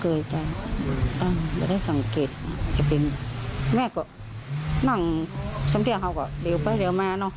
เคยจ้ะอืมแต่ได้สังเกตจะเป็นแม่ก็นั่งช้ำเที่ยวเขาก็เร็วไปเร็วมาเนอะ